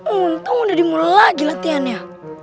untung udah dimulai lagi latihannya